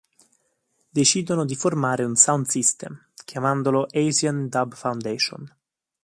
Decidono di formare un sound system, chiamandolo "Asian Dub Foundation".